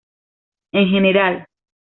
En general.